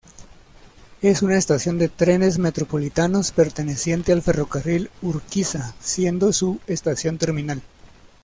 Es una estación de trenes metropolitanos perteneciente al Ferrocarril Urquiza siendo su estación terminal.